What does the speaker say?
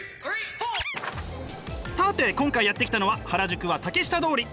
さて今回やって来たのは原宿は竹下通り！